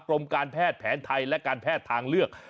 กรมการแพทย์แผนไทยและการแพทย์ทางเลือก